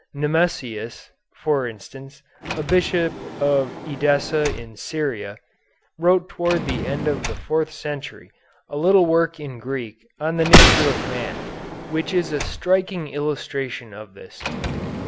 Nemesius, for instance, a Bishop of Edessa in Syria, wrote toward the end of the fourth century a little work in Greek on the nature of man, which is a striking illustration of this.